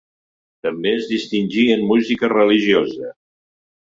També es distingí en música religiosa.